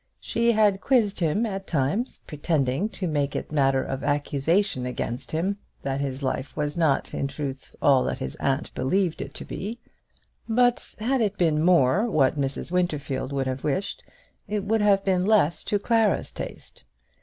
She had quizzed him at times, pretending to make it matter of accusation against him that his life was not in truth all that his aunt believed it to be; but had it been more what Mrs. Winterfield would have wished, it would have been less to Clara's taste.